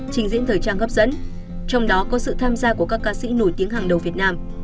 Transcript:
trình diễn thời trang hấp dẫn trong đó có sự tham gia của các ca sĩ nổi tiếng hàng đầu việt nam